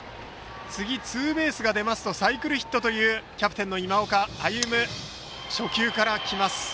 次にツーベースが出るとサイクルヒットというキャプテンの今岡歩夢。